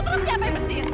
terus siapa yang bersihin